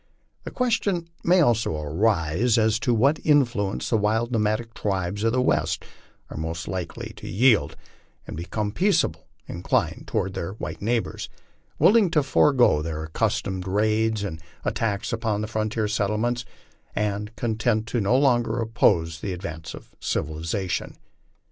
The question may also arise as to what influence the wild nomadic tribes of the West are most likely to yield and become peaceably inclined toward their white neighbors, willing to foreg their accustomed raids and attacks upon the frontier settlements, and content to no longer oppose the advance of civilization.